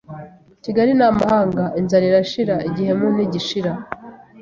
Kigali ni amahanga, inzara irashira igihemu ntigishira